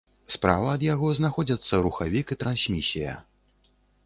Справа ад яго знаходзяцца рухавік і трансмісія.